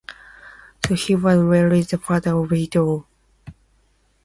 So he was really the father of it all.